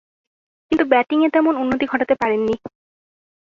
কিন্তু ব্যাটিংয়ে তেমন উন্নতি ঘটাতে পারেননি।